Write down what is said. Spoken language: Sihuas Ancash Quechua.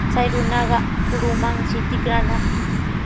Chay runaqa kurumanshi tikranaq.